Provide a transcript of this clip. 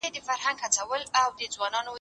زه به سبا د ليکلو تمرين کوم!